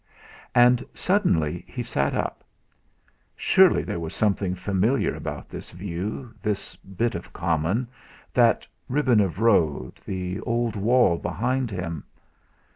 And suddenly he sat up. Surely there was something familiar about this view, this bit of common, that ribbon of road, the old wall behind him.